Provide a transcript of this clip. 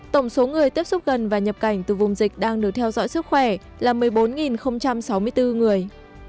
tổng số người tiếp xúc gần và nhập cảnh từ vùng dịch đang được theo dõi sức khỏe là một mươi bốn sáu mươi bốn người